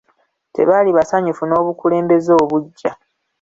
Tebaali basanyufu n'obukulembeze obuggya.